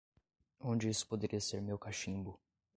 Onde isso poderia ser meu cachimbo?